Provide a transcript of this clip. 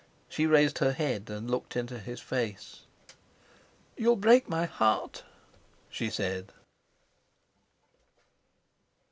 She raised her head and looked into his face. "You'll break my heart," she said.